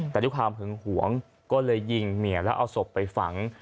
แต่ด้วยความหึงหวงก็เลยยิงเมียแล้วเอาศพไปฝัง